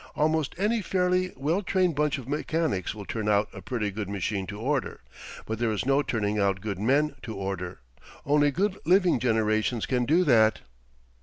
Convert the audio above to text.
Almost any fairly well trained bunch of mechanics will turn out a pretty good machine to order. But there is no turning out good men to order; only good living generations can do that.